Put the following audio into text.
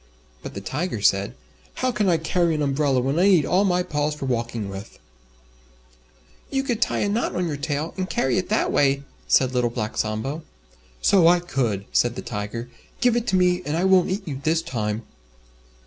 But the Tiger said, "How can I carry an umbrella when I need all my paws for walking with?" "You could tie a knot on your tail, and carry it that way," said Little Black Sambo. "So I could," said the Tiger. "Give it to me and I won't eat you this time."